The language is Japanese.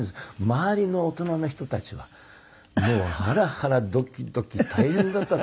周りの大人の人たちはもうハラハラドキドキ大変だったと思うんですけど。